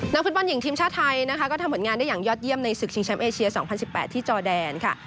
ฟุตบอลหญิงทีมชาติไทยนะคะก็ทำผลงานได้อย่างยอดเยี่ยมในศึกชิงแชมป์เอเชีย๒๐๑๘ที่จอแดนค่ะ